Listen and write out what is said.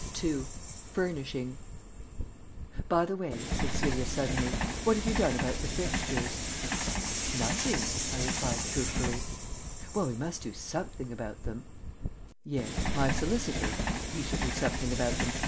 II. FURNISHING "By the way," said Celia suddenly, "what have you done about the fixtures?" "Nothing," I replied truthfully. "Well, we must do something about them." "Yes. My solicitor he shall do something about them.